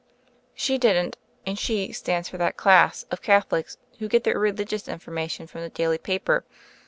She didn't, and "she" stands for that class of Catholics who get their religious informa tion from the daily paper.